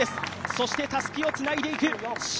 そしてたすきをつないでいく。